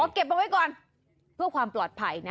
เก็บเอาไว้ก่อนเพื่อความปลอดภัยนะ